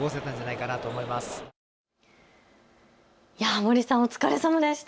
森さん、お疲れさまでした。